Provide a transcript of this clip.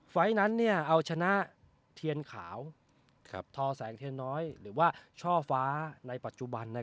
ไฟล์นั้นเอาชนะเทียนขาวทอแสงเทียนน้อยหรือว่าช่อฟ้าในปัจจุบัน